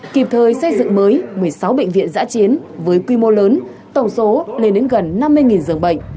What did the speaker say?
kịp thời xây dựng mới một mươi sáu bệnh viện giã chiến với quy mô lớn tổng số lên đến gần năm mươi giường bệnh